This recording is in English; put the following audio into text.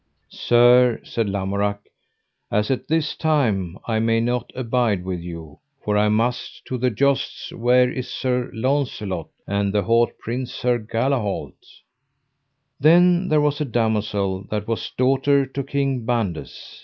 Sir, said Lamorak, as at this time I may not abide with you, for I must to the jousts, where is Sir Launcelot, and the haut prince Sir Galahalt. Then there was a damosel that was daughter to King Bandes.